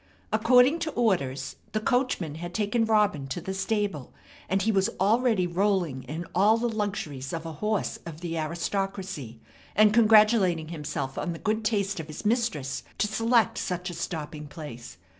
According to orders, the coachman had taken Robin to the stable, and he was already rolling in all the luxuries of a horse of the aristocracy, and congratulating himself on the good taste of his mistress to select such a stopping place.